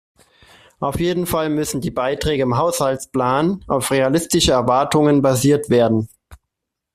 Auf jeden Fall müssen die Beträge im Haushaltsplan auf realistische Erwartungen basiert werden.